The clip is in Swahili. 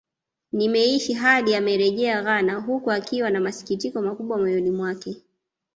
Nimeishi hadi amerejea Ghana huku akiwa na masikitiko makubwa moyono mwake